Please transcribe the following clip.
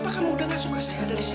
apa kamu udah gak suka saya ada di sini